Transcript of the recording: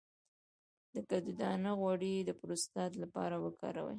د کدو دانه غوړي د پروستات لپاره وکاروئ